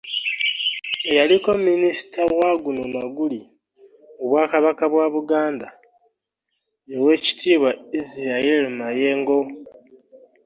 Eyaliko Minisita wa guno na guli mu Bwakabaka bwa Buganda, ye Oweekitiibwa Israel Mayengo